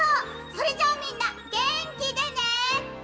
それじゃみんなげんきでね！